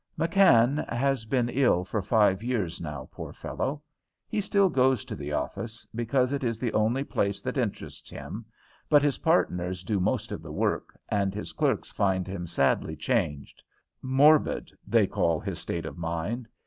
McKann has been ill for five years now, poor fellow! He still goes to the office, because it is the only place that interests him, but his partners do most of the work, and his clerks find him sadly changed "morbid," they call his state of mind.